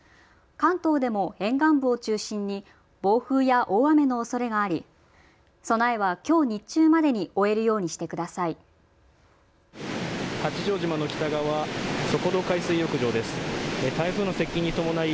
関東でも沿岸部を中心に暴風や大雨のおそれがあり備えはきょう日中までに終えるようにしてください。